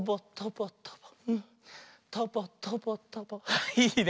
あっいいね。